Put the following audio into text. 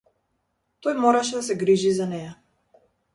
Тој мораше да се грижи за неа.